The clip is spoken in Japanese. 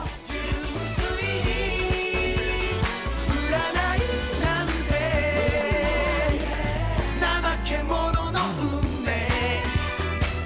純粋に占いなんて怠け者の運命えっ？